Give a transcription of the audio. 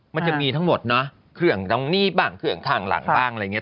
มันจะมีทั้งหมดเนอะเครื่องตรงนี้บ้างเครื่องข้างหลังบ้างอะไรอย่างนี้